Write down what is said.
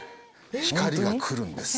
光が来るんです。